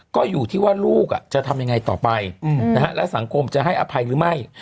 ก็อยู่ที่ว่าลูกจะทำยังไงต่อไปและสังคมจะให้อภัยหรือไม่